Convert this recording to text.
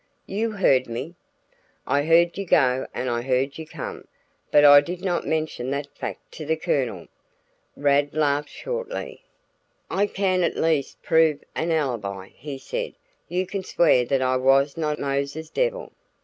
"You heard me?" "I heard you go and I heard you come; but I did not mention that fact to the Colonel." Rad laughed shortly. "I can at least prove an alibi," he said. "You can swear that I was not Mose's devil."